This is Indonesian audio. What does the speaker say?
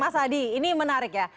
mas adi ini menarik ya